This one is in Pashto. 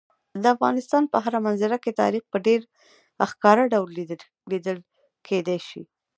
د افغانستان په هره منظره کې تاریخ په ډېر ښکاره ډول لیدل کېدی شي.